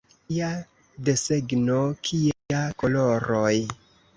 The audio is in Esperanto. Kia desegno, kiaj koloroj!